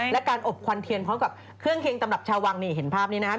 และการอบควันเทียนพร้อมกับเครื่องเค็งตำรับชาววังนี่เห็นภาพนี้นะครับ